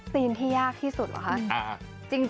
ซีนที่ยากที่สุดเหรอคะ